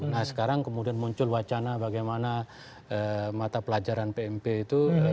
nah sekarang kemudian muncul wacana bagaimana mata pelajaran pmp itu